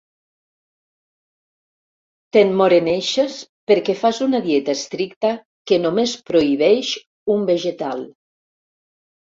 T'emmoreneixes perquè fas una dieta estricta que només prohibeix un vegetal.